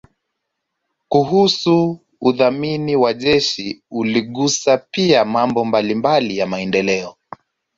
kuhusu udhamini wa jezi uligusa pia mambo mbalimbali ya maendeleo